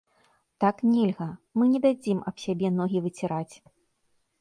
Так нельга, мы не дадзім аб сябе ногі выціраць.